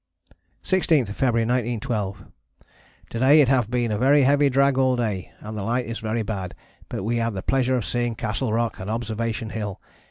16th February 1912. To day it have been a very heavy drag all day, and the light is very bad, but we had the pleasure of seeing Castle Rock and Observation Hill.